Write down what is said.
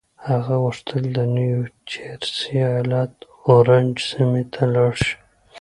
هغه غوښتل د نيو جرسي ايالت اورنج سيمې ته لاړ شي.